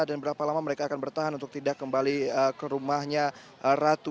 dan berapa lama mereka akan bertahan untuk tidak kembali ke rumahnya ratu